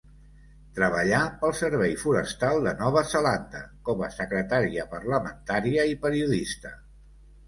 Treballà pel Servei Forestal de Nova Zelanda, com a secretària parlamentària i periodista.